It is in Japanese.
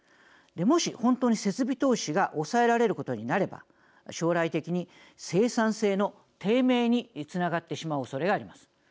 もし本当に設備投資が抑えられることになれば将来的に生産性の低迷につながってしまうおそれがあります。